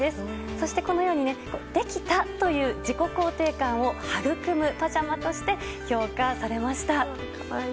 そして、このようにできたという自己肯定感を育むパジャマとして評価されました。